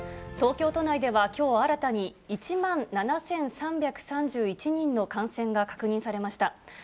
東京都内ではきょう新たに、１万７３３１人の感染が確認されました。